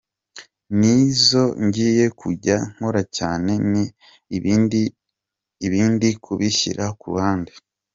Ni izo ngiye kujya nkora cyane, ibindi ndi kubishyira ku ruhande.